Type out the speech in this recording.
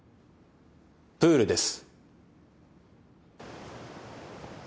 プールです。